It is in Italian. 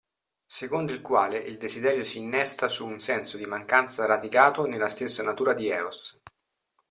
Secondo il quale il desiderio si innesta su un senso di mancanza radicato nella stessa natura di Eros.